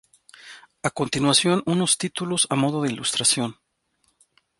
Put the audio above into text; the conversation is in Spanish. A continuación unos títulos a modo de ilustración.